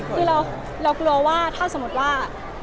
คือเรากลัวว่าถ้าสมมติว่า